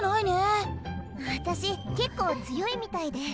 私結構強いみたいで。